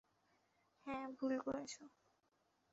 হ্যাঁ, ভুল করেছো।